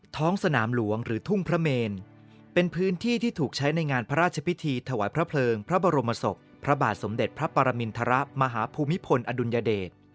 ท้องสนามหลวงหรือทุ่งพระเมนเป็นพื้นที่ที่ถูกใช้ในงานพระราชพิธีถวายพระเพลิงพระบรมศพพระบาทสมเด็จพระปรมินทรมาฮภูมิพลอดุลยเดช